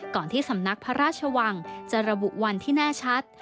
ที่สำนักพระราชวังจะระบุวันที่แน่ชัด